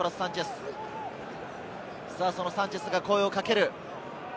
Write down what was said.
サンチェスが声をかける。